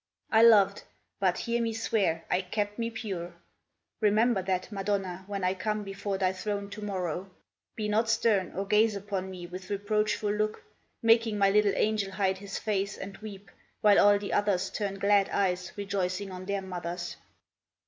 I loved; but, hear me swear, I kept me pure! (Remember that, Madonna, when I come Before thy throne to morrow. Be not stern, Or gaze upon me with reproachful look, Making my little angel hide his face And weep, while all the others turn glad eyes Rejoicing on their mothers.)